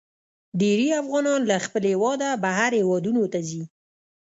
ډیرې افغانان له خپل هیواده بهر هیوادونو ته ځي.